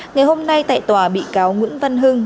ngày hôm nay tại tòa bị cáo nguyễn văn hưng